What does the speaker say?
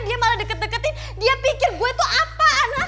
dia malah deket deketin dia pikir gue tuh apa